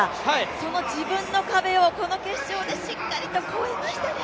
その自分の壁をこの決勝でしっかりと超えましたね。